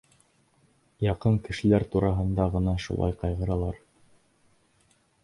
Яҡын кешеләр тураһында ғына шулай ҡайғыралар...